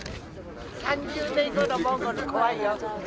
３０年後のモンゴル怖いよ。